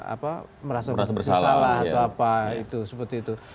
apa merasa bersalah atau apa itu seperti itu